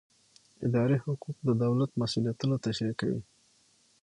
اداري حقوق د دولت مسوولیتونه تشریح کوي.